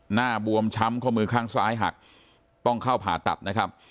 บวมช้ำข้อมือข้างซ้ายหักต้องเข้าผ่าตัดนะครับ